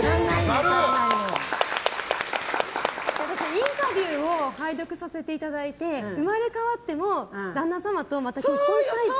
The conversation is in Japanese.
インタビューを拝読させていただいて生まれ変わっても旦那様とまた結婚したいって。